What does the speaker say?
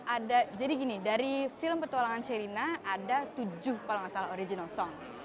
ada jadi gini dari film petualangan sherina ada tujuh kalau nggak salah original song